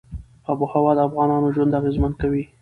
آب وهوا د افغانانو ژوند اغېزمن کوي.